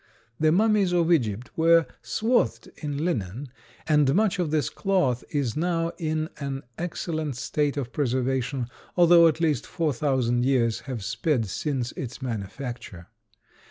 The mummies of Egypt were swathed in linen, and much of this cloth is now in an excellent state of preservation although at least four thousand years have sped since its manufacture.